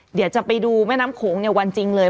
เดี๋ยวจะไปดูแม่น้ำโขงเนี่ยวันจริงเลย